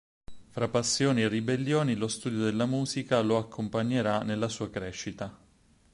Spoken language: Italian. Fra passioni e ribellioni lo studio della musica lo accompagnerà nella sua crescita.